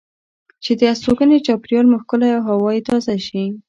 چې د استوګنې چاپیریال مو ښکلی او هوا یې تازه شي.